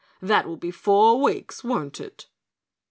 "That will be four weeks, won't it?"